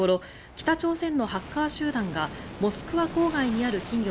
北朝鮮のハッカー集団がモスクワ郊外にある企業